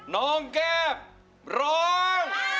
น้องแก้มร้อง